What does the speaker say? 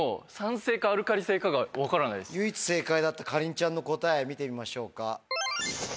唯一正解だったかりんちゃんの答え見てみましょうか。